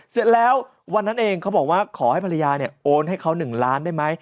เสร็จแล้ววันนั้นเองเขาบอกว่าขอให้ภรรยาเนี่ยโอนให้เขา๑ล้านได้ไหม